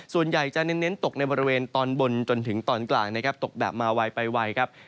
ส่วนใหญ่จะเน้นตกในบริเวณตอนบนจนถึงตอนกลางนะครับตกแบบมาไวไปไวครับ